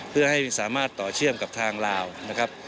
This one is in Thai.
เพื่อให้สามารถต่อเชื่อมกับทางลาวนะครับ